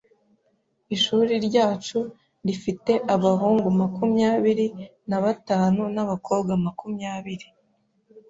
Ishuri ryacu rifite abahungu makumyabiri na batanu nabakobwa makumyabiri.